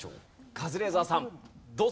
カズレーザーさんどうぞ。